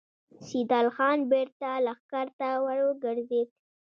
سيدال خان بېرته لښکر ته ور وګرځېد.